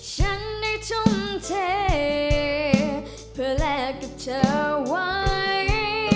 ฉันได้ทุ่มเทเพื่อแลกกับเธอไว้